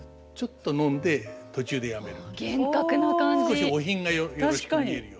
少しお品がよろしく見えるように。